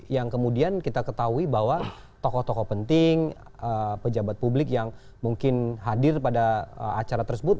yang kemudian kita ketahui bahwa tokoh tokoh penting pejabat publik yang mungkin hadir pada acara tersebut